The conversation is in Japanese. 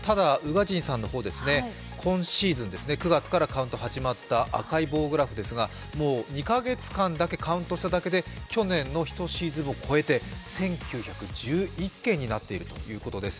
ただ、今シーズン９月からカウント始まった赤い棒グラフですが、もう２か月間だけカウントしただけで去年の１シーズンを超えて１９１１件になっているということです。